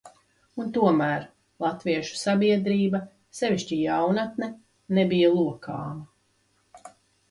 Un tomēr, latviešu sabiedrība, sevišķi jaunatne, nebija lokāma.